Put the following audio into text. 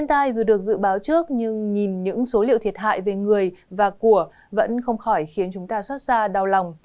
nhìn những số liệu thiệt hại về người và của vẫn không khỏi khiến chúng ta xót xa đau lòng